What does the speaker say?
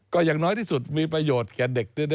ก็อย่างน้อยที่สุดมีประโยชน์แก่เด็ก